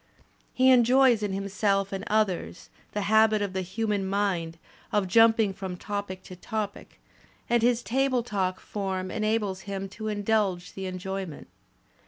He enjoys in himself and others the habit of the human mind of jumping from topic to topic, and his table talk form enables him to indulge the enjoyment.